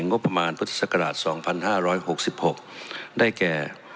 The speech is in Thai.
งบประมาณพฤษฎราช๒๕๖๖ได้แก่